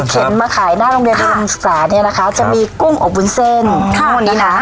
มาขายหน้าโรงเรียนอุดมศึกษาเนี่ยนะคะจะมีกุ้งอบวุ้นเส้นทั้งหมดนี้นะ